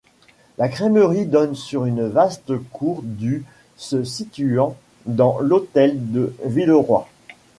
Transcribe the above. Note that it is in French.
La Crèmerie donne sur une vaste cour du se situant dans l'Hôtel de Villeroy.